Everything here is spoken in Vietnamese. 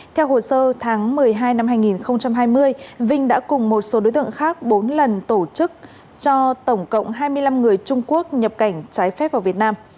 theo hồ sơ tháng một mươi hai năm hai nghìn hai mươi vinh đã cùng một số đối tượng khác bốn lần tổ chức cho tổng cộng hai mươi năm người trung quốc nhập cảnh trái phép vào việt nam